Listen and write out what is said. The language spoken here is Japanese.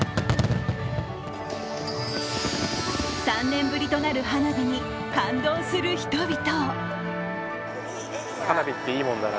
３年ぶりとなる花火に感動する人々。